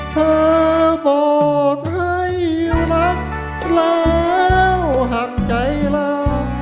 เธอบอกให้รักแล้วห่างใจแล้ว